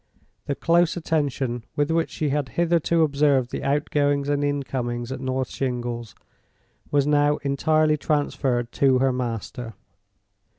The close attention with which she had hitherto observed the out goings and in comings at North Shingles was now entirely transferred to her master.